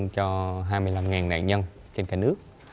cho hai mươi năm nạn nhân trên cả nước